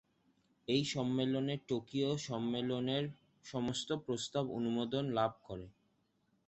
এই সম্মেলনে টোকিও সম্মেলনের সমস্ত প্রস্তাব অনুমোদন লাভ করে।